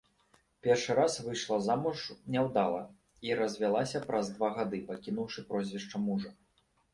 Першы раз выйшла замуж няўдала і развялася праз два гады, пакінуўшы прозвішча мужа.